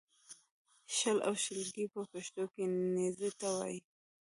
شل او شلګی په پښتو کې نېزې ته وایې